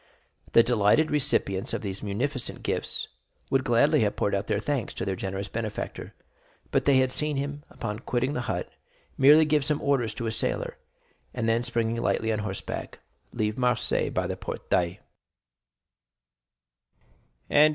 The delighted recipients of these munificent gifts would gladly have poured out their thanks to their generous benefactor, but they had seen him, upon quitting the hut, merely give some orders to a sailor, and then springing lightly on horseback, leave Marseilles by the Porte d'Aix.